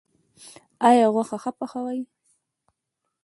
ایا غوښه ښه پخوئ؟